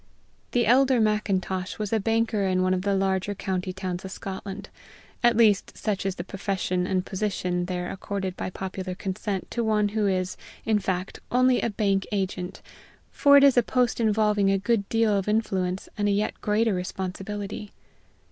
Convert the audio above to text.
The elder Macintosh was a banker in one of the larger county towns of Scotland at least, such is the profession and position there accorded by popular consent to one who is, in fact, only a bank agent, for it is a post involving a good deal of influence and a yet greater responsibility.